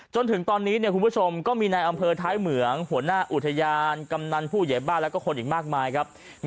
จนถึงตอนนี้เนี่ยคุณผู้โทรชมก็มีในอไทยเหมือนหัวหน้าอุทยานกำลังผู้เหยบ้านและคนอีกมากมายครับ